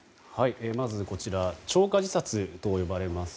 まず超過自殺と呼ばれます